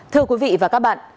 thưa quý vị và các bạn